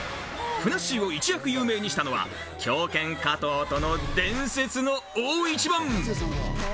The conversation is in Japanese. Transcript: ふなっしーを一躍有名にしたのは狂犬・加藤との伝説の大一番。